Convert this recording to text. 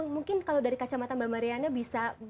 mungkin kalau dari kacamata mbak mariana bisa